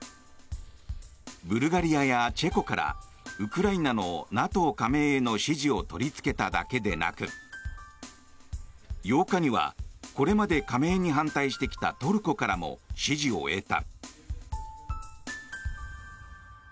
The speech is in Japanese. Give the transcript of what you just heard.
ブルガリアやチェコからウクライナのＮＡＴＯ加盟への支持を取りつけただけでなく８日にはこれまで加盟に反対してきたトルコからも支持を得た。